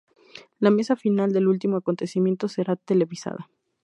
La mesa final del último acontecimiento será televisada.